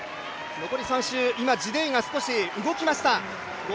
残り３周、今ギデイが少し動きました。